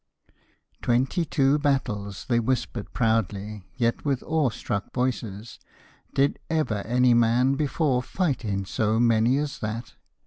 'Twenty two battles!' they whispered proudly yet with awe struck voices; 'did ever any man before fight in so many as that?'